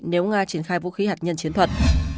nếu nga triển khai vũ khí hạt nhân chiến thuật